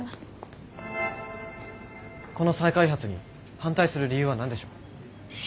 この再開発に反対する理由は何でしょう？